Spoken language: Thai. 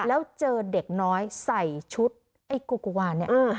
แล้วเจอเด็กน้อยใส่ชุดไอ้โกกุวานเนี่ย